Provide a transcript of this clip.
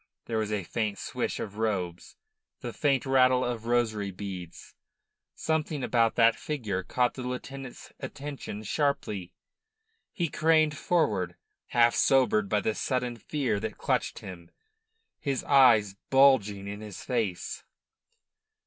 There was a faint swish of robes, the faint rattle of rosary beads. Something about that figure caught the lieutenant's attention sharply. He craned forward, half sobered by the sudden fear that clutched him, his eyes bulging in his face.